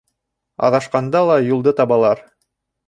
Аҙашҡанда ла юлды табалар.